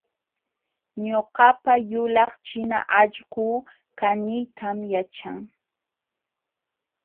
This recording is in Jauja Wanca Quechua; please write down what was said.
Ñuqapa yulaq china allquu kaniytam yaćhan